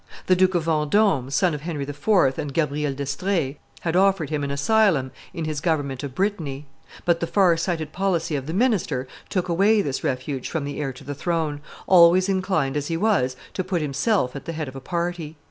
The Duke of Vendome, son of Henry IV. and Gabrielle d'Estrees, had offered him an asylum in his government of Brittany; but the far sighted policy of the minister took away this refuge from the heir to the throne, always inclined as he was to put himself at the head of a party.